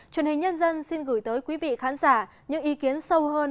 truyền hình nhân dân xin gửi tới quý vị khán giả những ý kiến sâu hơn